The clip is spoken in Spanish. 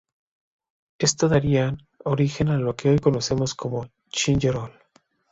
Esto daría origen a lo que hoy conocemos como "ginger ale".